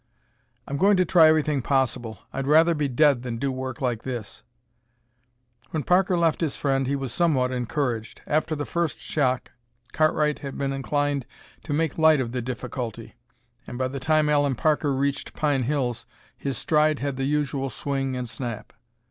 "I'm going to try everything possible. I'd rather be dead than do work like this!" When Parker left his friend he was somewhat encouraged. After the first shock Cartwright had been inclined to make light of the difficulty, and by the time Allen Parker reached Pine Hills his stride had the usual swing and snap.